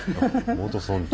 元村長。